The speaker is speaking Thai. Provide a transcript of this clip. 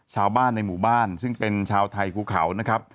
ชาวบ้านในหมู่บ้านซึ่งเป็นชาวไทยภูเขานะครับ